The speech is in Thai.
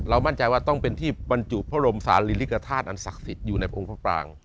เรามั่นใจว่าต้องเป็นที่ปรรจูพระลมสาวริริกษฐานทรัสศาสถ์อยู่ในองค์พระปราง